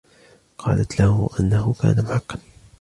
قالت له أنه كان محقا.